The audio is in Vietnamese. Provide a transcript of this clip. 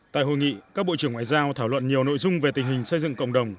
tại hội nghị các bộ trưởng ngoại giao thảo luận nhiều nội dung về tình hình xây dựng cộng đồng